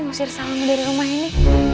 ngusir salam dari rumah ini